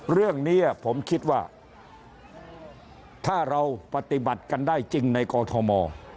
เรื่องนี้ผมคิดว่าถ้าเราปฏิบัติกันได้จริงในกอทม